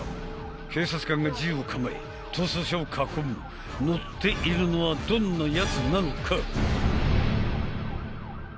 警察官が銃を構え逃走車を囲む乗っているのはどんなやつなのか？